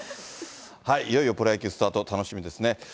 いよいよプロ野球スタート、楽しみですね。